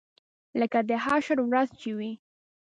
لکه د حشر ورځ چې وي.